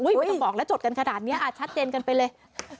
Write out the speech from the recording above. ไม่ต้องบอกแล้วจดกันขนาดนี้ชัดเจนกันไปเลย